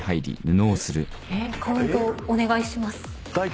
カウントお願いします。